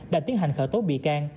đã tiến hành khởi tố bị can